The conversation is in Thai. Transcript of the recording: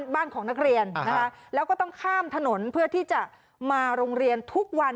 บ้านของนักเรียนนะคะแล้วก็ต้องข้ามถนนเพื่อที่จะมาโรงเรียนทุกวัน